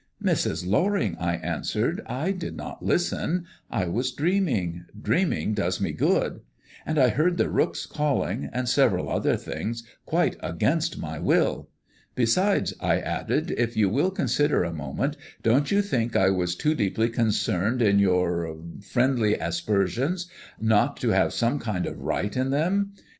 "Mrs. Loring," I answered, "I did not listen. I was dreaming dreaming does me good and I heard the rooks calling, and several other things, quite against my will. Besides," I added, "if you will consider a moment, don't you think I was too deeply concerned in your friendly aspersions not to have some kind of right in them?